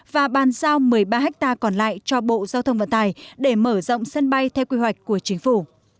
và bàn giao một mươi ba ha còn lại cho bộ giao thông vận tải để mở rộng sân bay theo quy hoạch của chính phủ